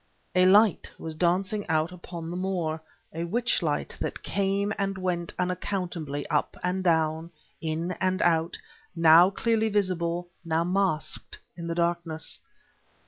A light was dancing out upon the moor, a witchlight that came and went unaccountably, up and down, in and out, now clearly visible, now masked in the darkness!